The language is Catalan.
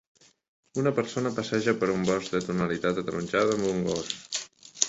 Una persona passeja per un bosc de tonalitat ataronjada amb un gos.